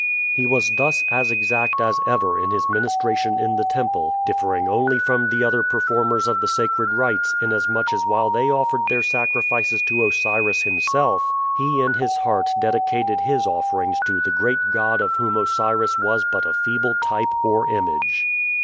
He was thus as exact as ever in his ministration in the temple, differing only from the other performers of the sacred rites inasmuch as while they offered their sacrifices to Osiris himself, he in his heart dedicated his offerings to the great God of whom Osiris was but a feeble type or image.